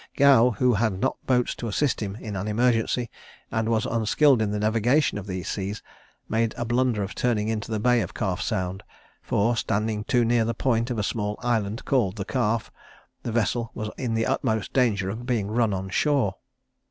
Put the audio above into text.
Gow, who had not boats to assist him in an emergency, and was unskilled in the navigation of these seas, made a blunder in turning into the bay of Calf Sound; for, standing too near the point of a small island called the Calf, the vessel was in the utmost danger of being run on shore.